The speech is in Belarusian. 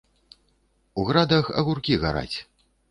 У градах агуркі гараць.